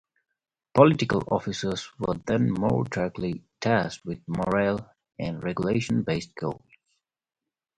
Political officers were then more directly tasked with morale- and regulation-based goals.